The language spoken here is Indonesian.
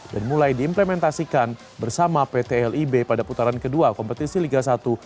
dan mulai diimplementasikan bersama pt lib pada putaran kedua kompetisi liga satu dua ribu dua puluh tiga dua ribu dua puluh empat